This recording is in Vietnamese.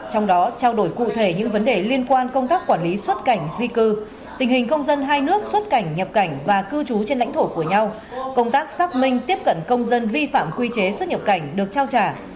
trong đó trao đổi cụ thể những vấn đề liên quan công tác quản lý xuất cảnh di cư tình hình công dân hai nước xuất cảnh nhập cảnh và cư trú trên lãnh thổ của nhau công tác xác minh tiếp cận công dân vi phạm quy chế xuất nhập cảnh được trao trả